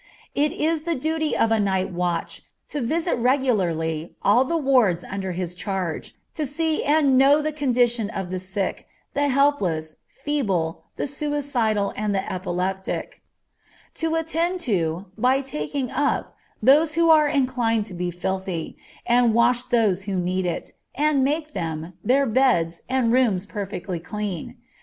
It is the duty of a night watch to visit regularly all the wards under his charge; to see and know the condition of the sick, the helpless, feeble, the suicidal, and the epileptic; to attend to, by taking up, those who are inclined to be filthy, and wash those who need it, and make them, their beds, and rooms perfectly clean.